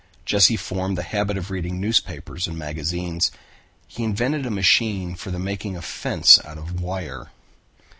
Jesse formed the habit of reading newspapers and magazines. He invented a machine for the making of fence out of wire.